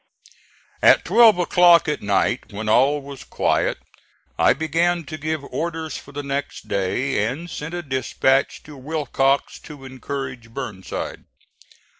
At twelve o'clock at night, when all was quiet, I began to give orders for the next day, and sent a dispatch to Willcox to encourage Burnside.